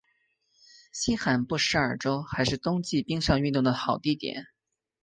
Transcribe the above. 新罕布什尔州还是冬季冰上运动的好地点。